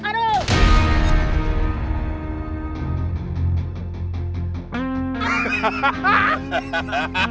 aku ingat dulu suara aku